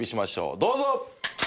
どうぞ！